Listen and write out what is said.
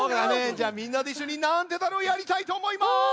じゃあみんなでいっしょに「なんでだろう」やりたいとおもいます！